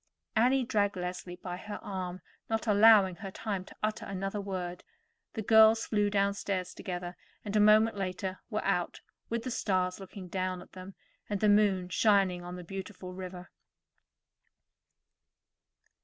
Annie dragged Leslie by her arm, not allowing her time to utter another word. The girls flew downstairs together, and a moment later were out, with the stars looking down at them, and the moon shining on the beautiful river.